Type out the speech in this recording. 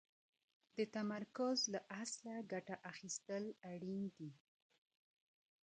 د تمرکز له اصله ګټه اخيستل اړين دي.